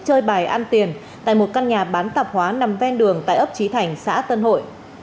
chơi bài ăn tiền tại một căn nhà bán tạp hóa nằm ven đường tại ấp trí thành xã tân hội